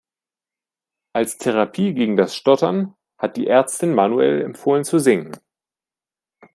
Als Therapie gegen das Stottern hat die Ärztin Manuel empfohlen zu singen.